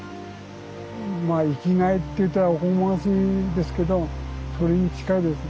まあ生きがいって言ったらおこがましいですけどそれに近いです。